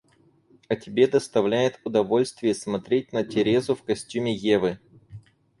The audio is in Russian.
А тебе доставляет удовольствие смотреть на Терезу в костюме Евы...